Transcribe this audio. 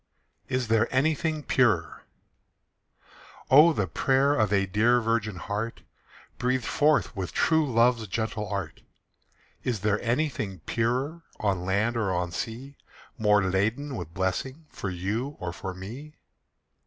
IS THERE ANYTHING PURER? Oh, the prayer of a dear virgin heart, Breathed forth with true love's gentle art! Is there anything purer On land or on sea, More laden with blessing For you or for me?